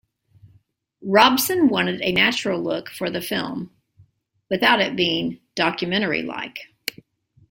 Robson wanted a natural look for the film, without it being documentary-like.